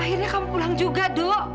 akhirnya kamu pulang juga dok